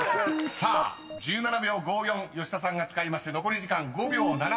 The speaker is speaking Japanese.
［さあ１７秒５４吉田さんが使いまして残り時間５秒７３］